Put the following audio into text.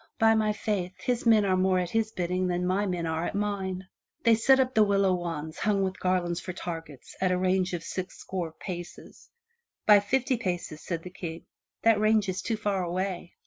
"By my faith, his men are more at his bidding than my men are at mine!" They set up the willow wands hung with garlands for targets at a range of six score paces. "By fifty paces," said the King, "that range is too far away."